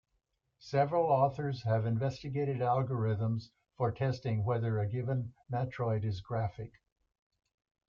Several authors have investigated algorithms for testing whether a given matroid is graphic.